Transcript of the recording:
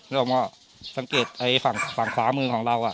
นี่ผมว่าสังเกตฝั่งขวามือของเรา